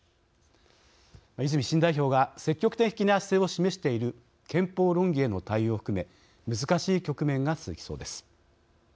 泉新代表が積極的な姿勢を示している憲法論議への対応を含め難しい局面が続きそうです。